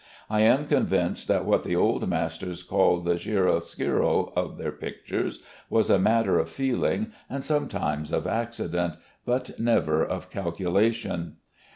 I am convinced that what the old masters called the chiaro oscuro of their pictures was a matter of feeling, and sometimes of accident, but never of calculation.